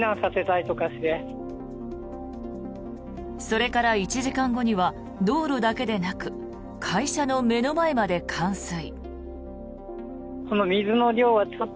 それから１時間後には道路だけでなく会社の目の前まで冠水。